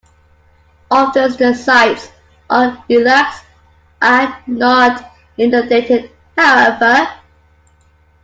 Often the sites or relics are not inundated, however.